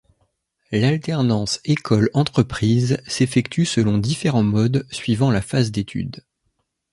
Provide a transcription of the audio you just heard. L'alternance école, entreprise s'effectue selon différents modes suivant la phase d'études.